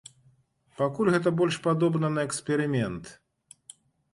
Пакуль гэта больш падобна на эксперымент.